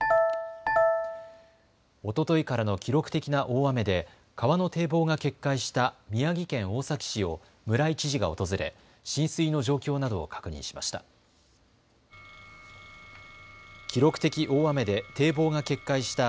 おとといからの記録的な大雨で川の堤防が決壊した宮城県大崎市を村井知事が訪れ浸水の状況などを確認しました。